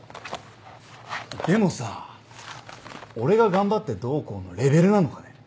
でもさ俺が頑張ってどうこうのレベルなのかね。